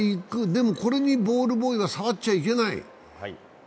でも、これにボールボーイが触っちゃいけない。